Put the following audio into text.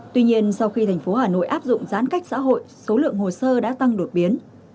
tuy nhiên sau khi thành phố hà nội áp dụng giãn cách xã hội số lượng hồ sơ đã tăng đột biến